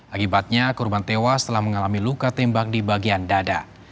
akibatnya korban tewas setelah mengalami luka tembak di bagian dada